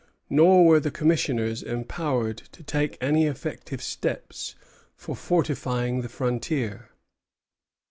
Nor were the commissioners empowered to take any effective steps for fortifying the frontier.